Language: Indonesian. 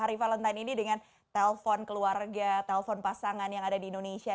hari valentine ini dengan telpon keluarga telpon pasangan yang ada di indonesia